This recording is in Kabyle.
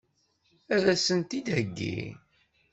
Ad as-tent-id-theggi?